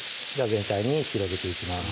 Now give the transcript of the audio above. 全体に広げていきます